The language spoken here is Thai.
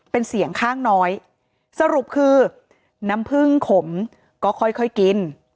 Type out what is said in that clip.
เป็นเสียงข้างน้อยสรุปคือน้ำผึ้งขมก็ค่อยกิน